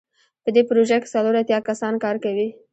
په دې پروژه کې څلور اتیا کسان کار کوي.